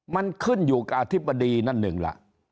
มันขึ้นอยู่กับอธิบดีนั่นหนึ่งล่ะ